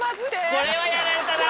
これはやられたな